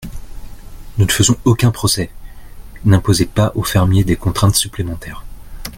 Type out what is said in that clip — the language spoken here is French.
Nous ne faisons aucun procès ! N’imposez pas au fermier des contraintes supplémentaires.